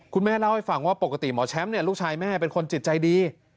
คุณแม่เล่าให้ฟังว่าปกติหมอแชมป์ลูกชายแม่เป็นคนจิตใจดี